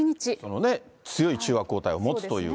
その強い中和抗体を持つという方。